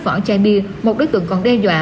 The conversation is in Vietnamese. vỏ chai bia một đối tượng còn đe dọa